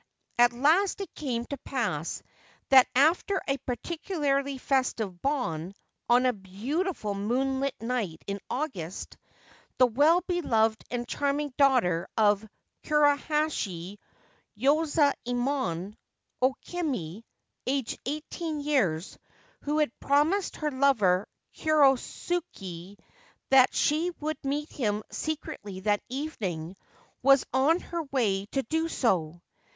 At last it came to pass that after a particularly festive ' Bon,' on a beautiful moonlight night in August, the well beloved and charming daughter of Kurahashi Yozaemon, O Kimi, aged eighteen years, who had promised her lover Kurosuke that she would meet him secretly that evening, was on her way to do so.